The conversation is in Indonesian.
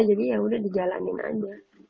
jadi yaudah dijalanin aja